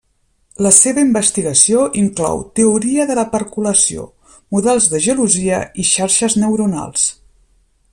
La seva investigació inclou teoria de la percolació, models de gelosia i xarxes neuronals.